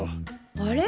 あれ？